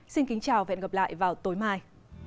xin kính chào và hẹn gặp lại vào tối mai